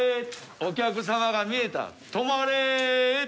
お客さまが見えた止まれ。